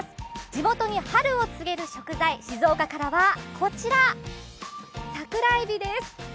地元に春を告げる食材、静岡からはこちら、さくらえびです。